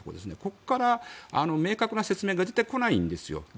ここから明確な説明が出てこないんですね。